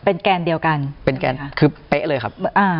แกนเดียวกันเป็นแกนคือเป๊ะเลยครับอ่า